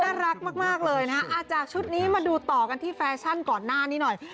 น่ารักมากเลยนะฮะจากชุดนี้มาดูต่อกันที่แฟชั่นก่อนหน้านี้หน่อย